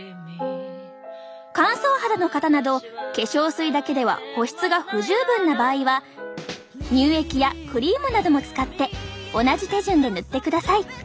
乾燥肌の方など化粧水だけでは保湿が不十分な場合は乳液やクリームなども使って同じ手順で塗ってください。